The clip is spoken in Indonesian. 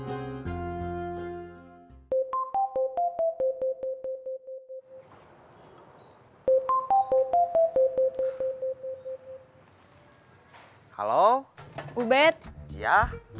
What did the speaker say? aku mau jual baji guru